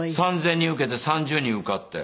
３０００人受けて３０人受かって。